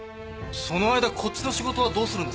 「その間こっちの仕事はどうするんですか？」